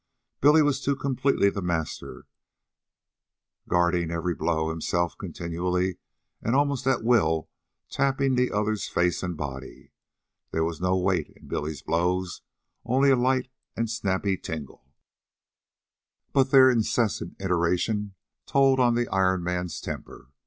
Billy was too completely the master, guarding every blow, himself continually and almost at will tapping the other's face and body. There was no weight in Billy's blows, only a light and snappy tingle; but their incessant iteration told on the Iron Man's temper.